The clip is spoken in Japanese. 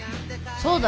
そうだよ。